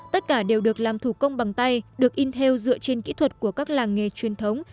tất cả đều được làm thủ công bằng tay được in theo dựa trên kỹ thuật của các làng nghề truyền thống